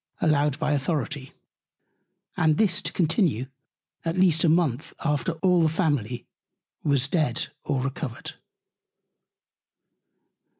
allowed by Authority: And this to continue at least a Month after all the Family was dead or recovered.